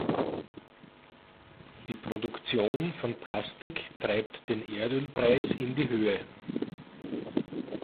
Die Produktion von Plastik treibt den Erdölpreis in die Höhe.